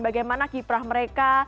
bagaimana kiprah mereka